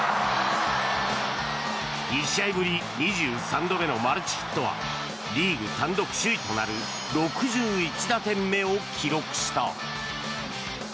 ２試合ぶり２３度目のマルチヒットはリーグ単独首位となる６１打点目を記録した。